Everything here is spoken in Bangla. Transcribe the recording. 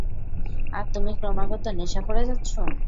আর তুমি ক্রমাগত নেশা করে যাচ্ছ!